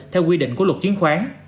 theo quy định của luật chứng khoán